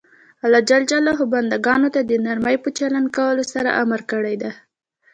الله ج بنده ګانو ته د نرمۍ په چلند کولو سره امر کړی ده.